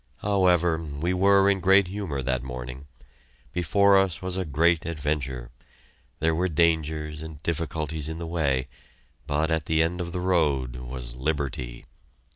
However, we were in great humor that morning. Before us was a Great Adventure; there were dangers and difficulties in the way, but at the end of the road was Liberty!